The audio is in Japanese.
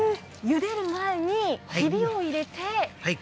ゆでる前に、ひびを入れて。